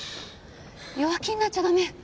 弱気になっちゃ駄目！